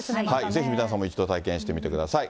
ぜひ皆さんも一度、体験してみてください。